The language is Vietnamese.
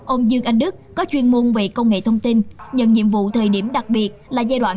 ông dương anh đức có chuyên môn về công nghệ thông tin nhận nhiệm vụ thời điểm đặc biệt là giai đoạn